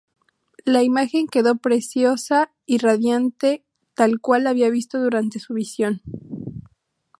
La imagen quedó preciosa y radiante tal cual la había visto durante su visión.